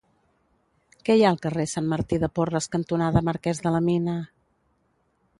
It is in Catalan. Què hi ha al carrer Sant Martí de Porres cantonada Marquès de la Mina?